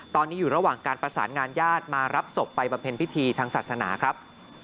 ตอนนี้อยู่ระหว่างการประสานงานญาติมารับศพไปบำเพ็ญพิธีทางศาสนาครับ